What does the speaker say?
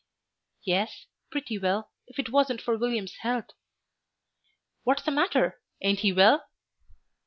"Yes, pretty well, if it wasn't for William's health." "What's the matter? Ain't he well?"